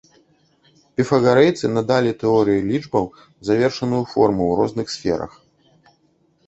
Піфагарэйцы надалі тэорыі лічбаў завершаную форму ў розных сферах.